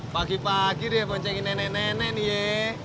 pagi pagi deh boncengin nenek nenek nih ye